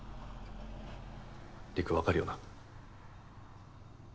りくわかるよな？